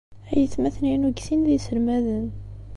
Aytmaten-inu deg sin d iselmaden.